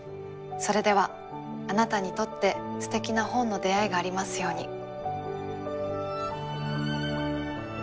それではあなたにとってすてきな本の出会いがありますように。